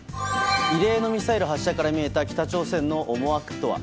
異例のミサイル発射から見えた北朝鮮の思惑とは。